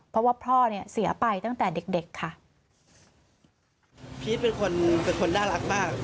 เพราะว่าพ่อเนี่ยเสียไปตั้งแต่เด็กเด็กค่ะพีชเป็นคนเป็นคนน่ารักมาก